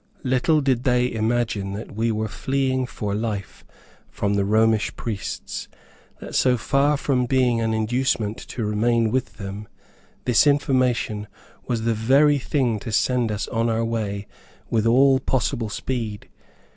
Little did they imagine that we were fleeing for life from the Romish priests; that so far from being an inducement to remain with them, this information was the very thing to send us on our way with all possible speed.